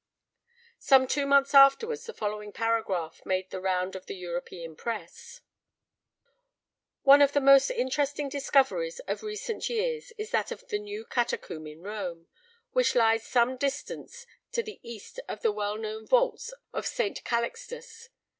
Some two months afterwards the following paragraph made the round of the European Press: "One of the most interesting discoveries of recent years is that of the new catacomb in Rome, which lies some distance to the east of the well known vaults of St. Calixtus.